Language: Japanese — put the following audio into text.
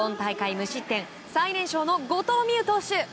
無失点最年少の後藤希友投手。